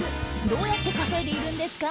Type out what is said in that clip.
どうやって稼いでいるんですか？